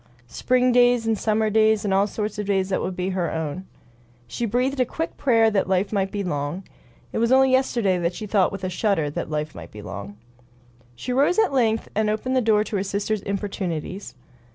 Spring days, and summer days, and all sorts of days that would be her own. She breathed a quick prayer that life might be long. It was only yesterday she had thought with a shudder that life might be long. She arose at length and opened the door to her sister's importunities.